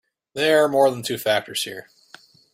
There are more than two factors here.